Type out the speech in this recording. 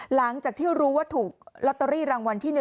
หลังจากที่รู้ว่าถูกรัฐบาลรางวัลที่๑